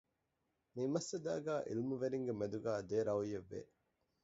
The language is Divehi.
މި މައްސަލާގައި ޢިލްމުވެރިންގެ މެދުގައި ދެ ރައުޔެއްވެ